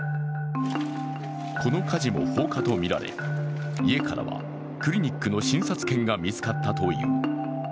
この火事も放火とみられ家からはクリニックの診察券が見つかったという。